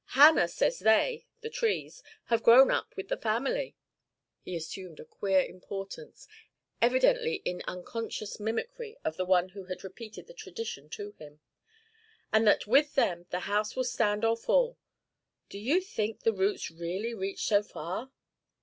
Hannah says they the trees have grown up with the family' (he assumed a queer importance, evidently in unconscious mimicry of the one who had repeated the tradition to him), 'and that with them the house will stand or fall. Do you think the roots really reach so far?'